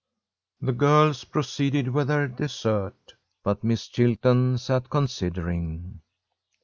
The girls proceeded with their dessert, but Miss Chilton sat considering.